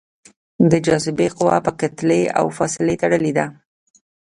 د جاذبې قوه په کتله او فاصلې تړلې ده.